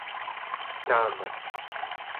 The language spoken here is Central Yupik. cetaman